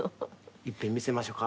いっぺん見せましょか。